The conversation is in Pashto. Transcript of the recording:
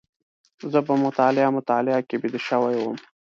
زه په مطالعه مطالعه کې بيده شوی وم.